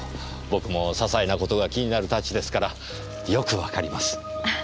僕もささいなことが気になる性質ですからよくわかります。